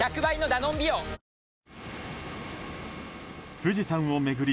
富士山を巡り